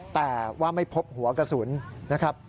แต่ว่าไม่พบหัวกระสุนนะครับ